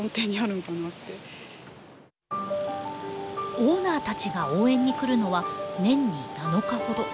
オーナーたちが応援に来るのは年に７日ほど。